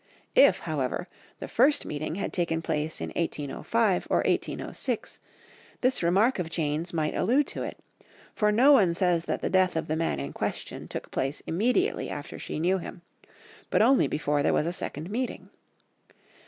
If, however, the first meeting had taken place in 1805 or 1806, this remark of Jane's might allude to it, for no one says that the death of the man in question took place immediately after she knew him, but only before there was a second meeting.